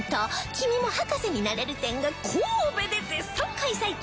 「君も博士になれる展」が神戸で絶賛開催中